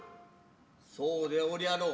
そうでおりゃりょう。